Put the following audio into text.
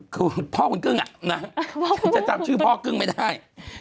คือพ่อคุณกึ้งจะจำชื่อพ่อกึ้งไม่ได้